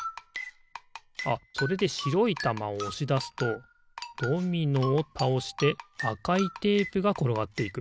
あっそれでしろいたまをおしだすとドミノをたおしてあかいテープがころがっていく。